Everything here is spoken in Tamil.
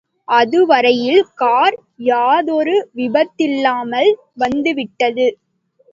அதுவரையில் கார் யாதொரு விபத்துமில்லாமல் வந்துவிட்டது.